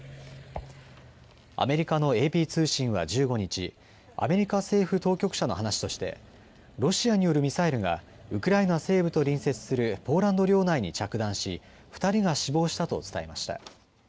アメリカのＡＰ通信は１５日、アメリカ政府当局者の話としてロシアによるミサイルがウクライナ西部と隣接するポーランド領内に着弾し２人が死亡したと伝えました。